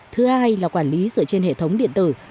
thứ hai là quản lý dựa trên hệ thống điện tử